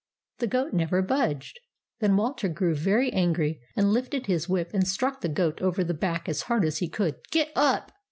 The goat never budged. Then Walter grew very angry and lifted his whip and struck the goat over the back as hard as he could. " Get up